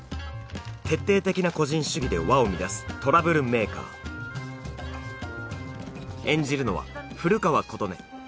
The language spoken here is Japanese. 徹底的な個人主義で輪を乱すトラブルメーカー演じるのは古川琴音